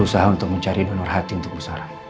berusaha untuk mencari donor hati untuk pusara